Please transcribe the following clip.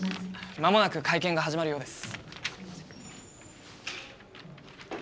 まもなく会見が始まるようです。